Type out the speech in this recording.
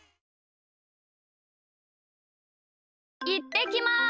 いってきます！